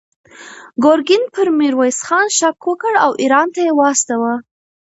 ګورګین پر میرویس خان شک وکړ او ایران ته یې واستاوه.